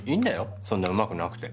そんなうまくなくて